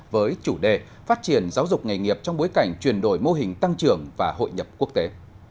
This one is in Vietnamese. với chủ đề phát triển giáo dục nghề nghiệp trong bối cảnh chuyển đổi mô hình tăng trưởng và hội nhập quốc tế